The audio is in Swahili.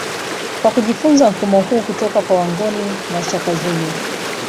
Kwa kujifunza mfumo huu kutoka kwa Wangoni na Shaka Zulu